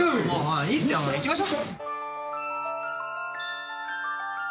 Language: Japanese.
いいっすよ行きましょ。